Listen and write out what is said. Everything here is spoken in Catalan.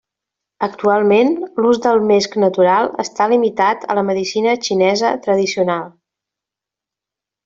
Actualment l'ús del mesc natural està limitat a la medicina xinesa tradicional.